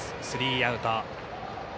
スリーアウト。